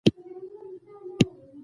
زه د پوهنتون په جریان کښي نرسينګ هم وايم.